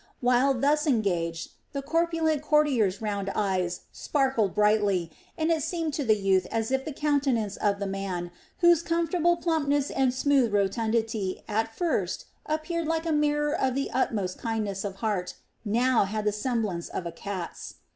While thus engaged, the corpulent courtier's round eyes sparkled brightly and it seemed to the youth as if the countenance of the man, whose comfortable plumpness and smooth rotundity at first appeared like a mirror of the utmost kindness of heart, now had the semblance of a cat's.